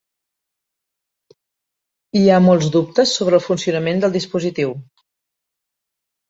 Hi ha molts dubtes sobre el funcionament del dispositiu.